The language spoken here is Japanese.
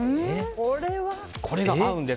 これが合うんです。